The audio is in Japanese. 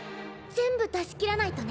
全部出し切らないとね。